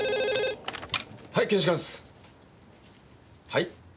はい？